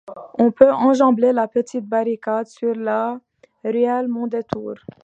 On peut enjamber la petite barricade sur la ruelle Mondétour.